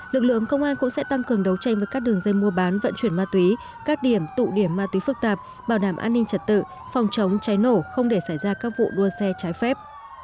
lực lượng công an cũng sẽ tăng cường đấu tranh với các đường dây mua bán vận chuyển ma túy các điểm tụ điểm ma túy phức tạp bảo đảm an ninh trật tự phòng chống cháy nổ không để xảy ra các vụ đua xe trái phép